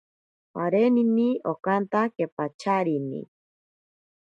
Parinini okanta kepacharini.